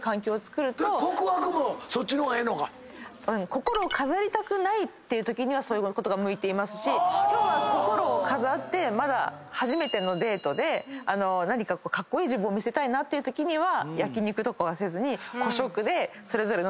心を飾りたくないってときはそういうことが向いていますし今日は心を飾ってまだ初めてのデートでカッコイイ自分を見せたいなっていうときには焼肉とかはせずに個食でそれぞれのステーキを食べたり。